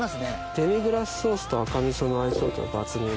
デミグラスソースと赤味噌の相性というのは抜群。